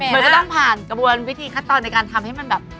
มันก็ต้องผ่านกระบวนวิธีขั้นตอนในการทำให้มันแบบ